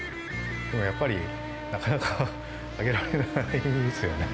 でもやっぱり、なかなか上げられないですよね。